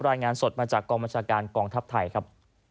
รายงานสดมาจากกองบัญชาการกองทัพไทยครับ